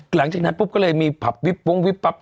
หลังจากนั้นปุ๊บก็เลยมีผับวิบว้งวิบปั๊บ